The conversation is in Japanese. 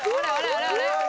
あれあれ？